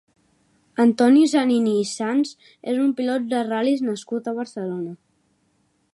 Antoni Zanini i Sans és un pilot de ral·lis nascut a Barcelona.